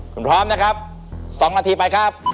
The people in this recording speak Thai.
คุณพร้อมนะครับ๒นาทีไปครับ